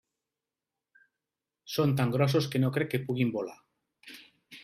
Són tan grossos que no crec que puguin volar.